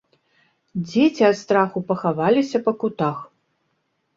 Дзеці ад страху пахаваліся па кутах.